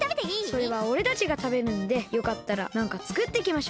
それはおれたちがたべるんでよかったらなんかつくってきましょうか？